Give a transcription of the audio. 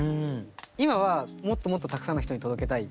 今はもっともっとたくさんの人に届けたい。